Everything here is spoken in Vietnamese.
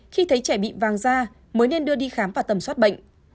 khi thấy trẻ bị vàng da mới nên đưa đi khám và tầm soát bệnh